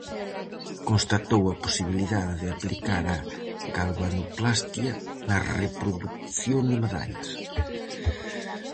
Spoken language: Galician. Constatou a posibilidade de aplicar a galvanoplastia na reprodución de medallas.